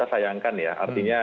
artinya ini akan jadi bahan tertawaan